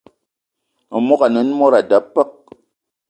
Memogo ane mod a da peuk.